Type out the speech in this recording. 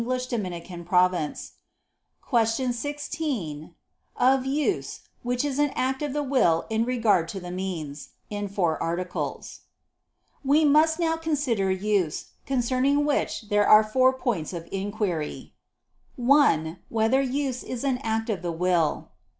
________________________ QUESTION 16 OF USE, WHICH IS AN ACT OF THE WILL IN REGARD TO THE MEANS (In Four Articles) We must now consider use; concerning which there are four points of inquiry: (1) Whether use is an act of the will?